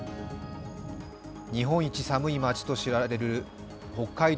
日本一寒い町として知られる北海道